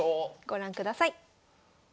ご覧ください。